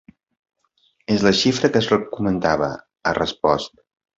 És la xifra que es comentava, ha respost.